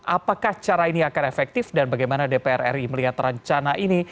apakah cara ini akan efektif dan bagaimana dpr ri melihat rencana ini